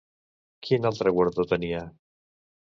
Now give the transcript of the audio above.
Quin altre guardó tenia?